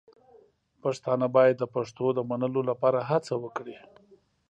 پښتانه باید د پښتو د منلو لپاره هڅه وکړي.